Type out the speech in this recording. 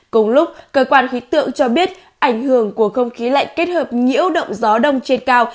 cùng lúc cơ quan khí tượng cho biết ảnh hưởng của không khí lạnh kết hợp nhiễu động gió đông trên cao